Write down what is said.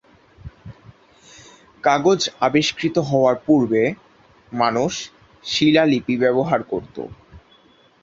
কাগজ আবিস্কৃত হওয়ার পূর্বে মানুষ শিলালিপি ব্যবহার করতো।